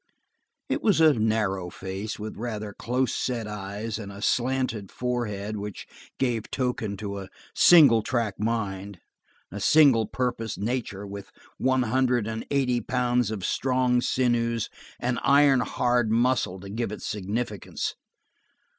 It was a narrow face, with rather close set eyes and a slanted forehead which gave token of a single track mind, a single purposed nature with one hundred and eighty pounds of strong sinews and iron hard muscle to give it significance.